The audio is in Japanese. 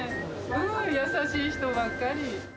優しい人ばっかり。